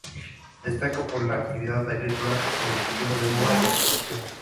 Destaca por la actividad agrícola en el cultivo de uva de exportación.